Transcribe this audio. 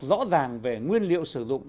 rõ ràng về nguyên liệu sử dụng